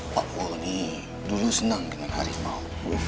pak wo ini dulu senang dengan harimau